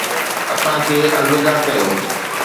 اسان کي الوداع ڪيو